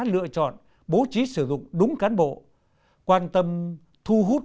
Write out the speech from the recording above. lựa chọn bố trí sử dụng đúng cán bộ quan tâm thu hút